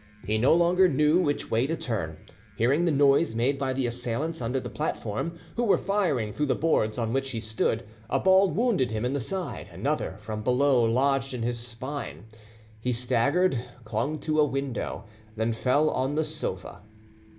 He no longer knew which way to turn, hearing the noise made by the assailants under the platform, who were firing through the boards on which he stood. A ball wounded him in the side, another from below lodged in his spine; he staggered, clung to a window, then fell on the sofa.